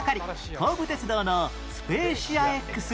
東武鉄道のスペーシア Ｘ